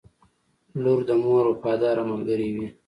• لور د مور وفاداره ملګرې وي.